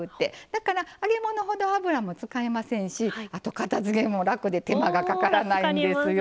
だから揚げ物ほど油も使いませんし後片づけも楽で手間がかからないんですよ。